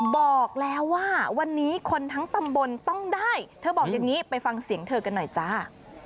บอกแล้วว่าวันนี้คนทั้งตำบลต้องได้เธอบอกอย่างนี้ไปฟังเสียงเธอกันหน่อยจ้า